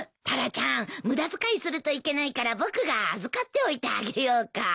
タラちゃん無駄遣いするといけないから僕が預かっておいてあげようか？